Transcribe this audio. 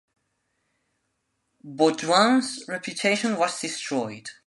Beaudoin's reputation was destroyed.